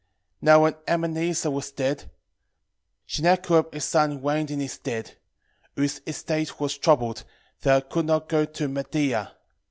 1:15 Now when Enemessar was dead, Sennacherib his son reigned in his stead; whose estate was troubled, that I could not go into Media.